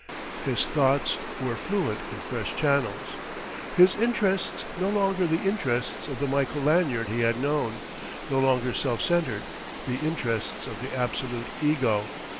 His thoughts were fluent in fresh channels, his interests no longer the interests of the Michael Lanyard he had known, no longer self centred, the interests of the absolute ego.